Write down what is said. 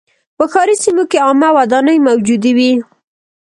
په ښاري سیمو کې عامه ودانۍ موجودې وې.